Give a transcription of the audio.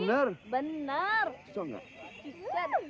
iya benar di sini tadi